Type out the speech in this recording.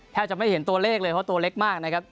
แทบจะไม่เห็นตัวเลขเลยเพราะตัวเล็กมากนะครับ